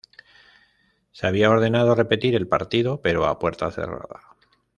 Se había ordenado repetir el partido pero a puerta cerrada.